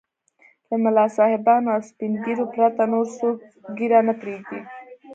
له ملا صاحبانو او سپين ږيرو پرته نور څوک ږيره نه پرېږدي.